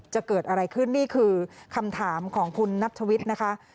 จะเกิดอะไรขึ้นนี่คือคำถามของคุณนัทวิทย์นะคะ